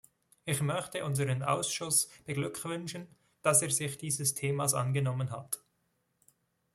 Ich möchte unseren Ausschuss beglückwünschen, dass er sich dieses Themas angenommen hat.